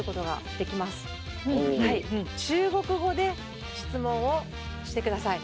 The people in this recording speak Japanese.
中国語で質問をしてください。